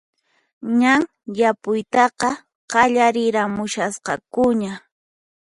Ñan yapuytaqa qallariramushasqakuña